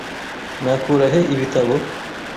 Nakura he ibitabo?